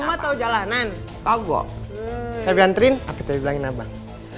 mau tau jalanan apa bilangin abang